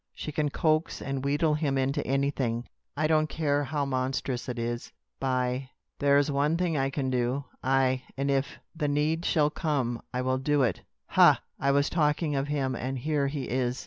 She can coax and wheedle him into anything, I don't care how monstrous it is. "By ! There's one thing I can do! Aye, and if the need shall come, I will do it. Ha! I was talking of him; and here he is."